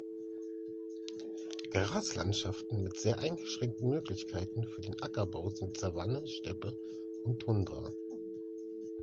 Graslandschaften mit sehr eingeschränkten Möglichkeiten für den Ackerbau sind Savanne, Steppe und Tundra.